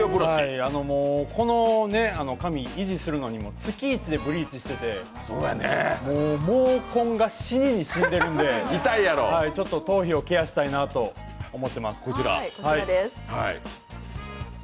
この髪を維持するのにも月いちでブリーチしてて毛根が死にに死んでるんで頭皮をケアしたいなと思ってます。